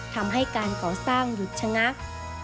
ทำให้การก่อสร้างหยุดชะงัก